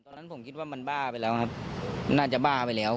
ตอนนั้นผมคิดว่ามันบ้าไปแล้วครับน่าจะบ้าไปแล้ว